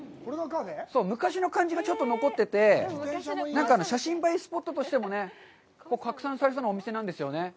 昔の感じがちょっと残ってて、なんか写真映えスポットとしても拡散されそうなお店なんですよね。